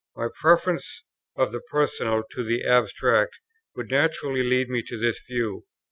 My preference of the Personal to the Abstract would naturally lead me to this view.